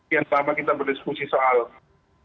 yang selama kita berdiskusi soal